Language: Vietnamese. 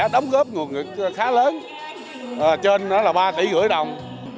đóng góp nguồn nguồn khá lớn trên đó là ba tỷ rưỡi đồng